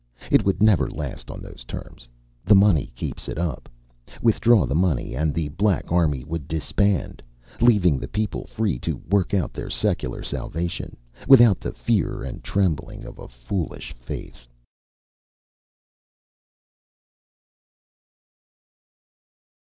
It would never last on those terms. The money keeps it up. Withdraw the money, and the Black Army would disband, leaving the people free to work out their secular salvation, without the fear and trembling of a foolish faith.